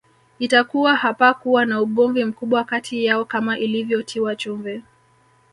Itakuwa hapakuwa na ugomvi mkubwa kati yao kama ilivyotiwa chumvi